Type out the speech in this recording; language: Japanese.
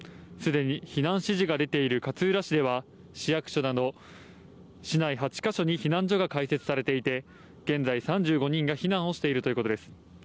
すでに避難指示が出ている勝浦市では、市役所など、市内８か所に避難所が開設されていて、現在３５人が避難をしているということです。